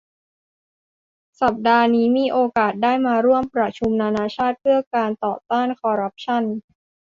สัปดาห์นี้มีโอกาสได้มาร่วมประชุมนานาชาติเพื่อการต่อต้านคอร์รัปชั่น